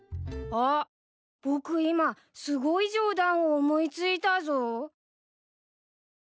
あっ僕今すごいジョーダンを思い付いたぞ。